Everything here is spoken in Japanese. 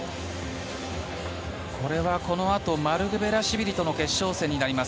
これは、このあとマルクベラシュビリとの決勝戦になります。